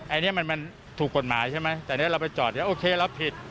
อันนี้มันถูกกฎหมายใช่ไหมแต่นี้เราไปจอดอย่างโอเคแล้วผิด